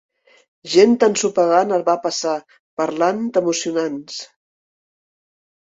Gent ensopegant el va passar, parlant emocionants.